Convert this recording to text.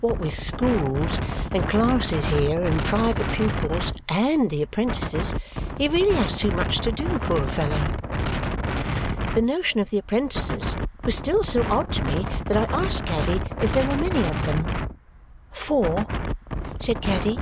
What with schools, and classes here, and private pupils, AND the apprentices, he really has too much to do, poor fellow!" The notion of the apprentices was still so odd to me that I asked Caddy if there were many of them. "Four," said Caddy.